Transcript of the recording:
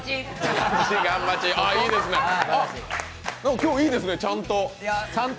今日、いいですね、ちゃんと。